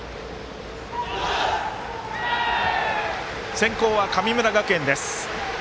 先攻は神村学園です。